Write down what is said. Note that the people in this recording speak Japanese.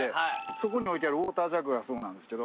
そこに置いてあるウォータージャグがそうなんですけど。